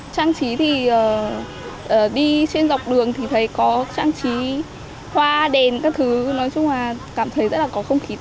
trang trí thì đi trên dọc đường thì thấy có trang trí hoa đèn các thứ nói chung là cảm thấy rất là có không khí